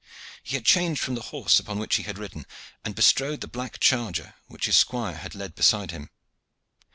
He had changed from the horse upon which he had ridden, and bestrode the black charger which his squire had led beside him.